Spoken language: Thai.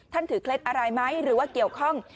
ถือเคล็ดอะไรไหมหรือว่าเกี่ยวข้อง